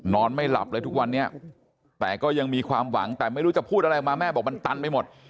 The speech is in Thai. นอนไม่หลับเลยทุกวันนี้แต่ก็ยังมีความหวังแต่ไม่รู้จะพูดอะไรออกมาแม่บอกมันตันไปหมด